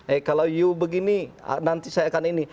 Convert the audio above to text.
eh kalau you begini nanti saya akan ini